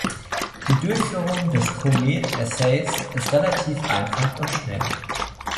Die Durchführung des Comet-Assays ist relativ einfach und schnell.